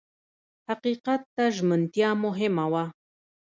حقیقت ته ژمنتیا مهمه وه.